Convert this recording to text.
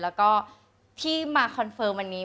แล้วก็ที่มาคอนเฟิร์มวันนี้